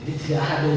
artinya sudah selesai